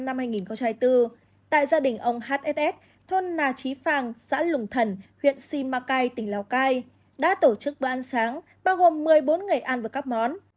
tại gia đình ông hss thôn nà trí phàng xã lùng thần huyện si ma cai tỉnh lào cai đã tổ chức bữa ăn sáng bao gồm một mươi bốn người ăn với các món